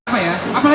warga jakarta utara